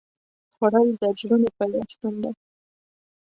خوړل د زړونو پیوستون دی